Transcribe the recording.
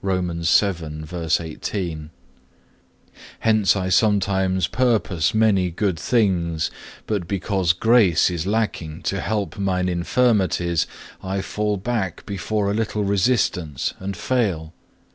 (2) Hence I ofttimes purpose many good things; but because grace is lacking to help mine infirmities, I fall back before a little resistance and fail.